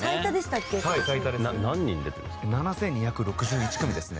７２６１組ですね。